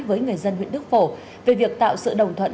với người dân huyện đức phổ về việc tạo sự đồng thuận